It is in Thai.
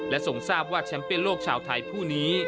ทรงทราบว่าแชมป์เปียนโลกชาวไทยผู้นี้